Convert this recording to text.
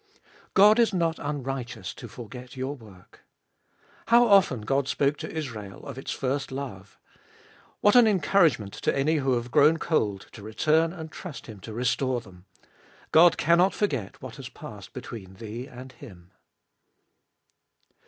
1. God is not unrighteous to forget your work. How often God spoke to Israel of its first love. What an encouragement to any who have grown cold to return and trust Him to restore them. God cannot forget what has passed between thee and Him.